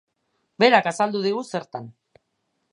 Berak azaldu digu zertan.